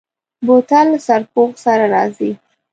بوتل له سرپوښ سره راځي.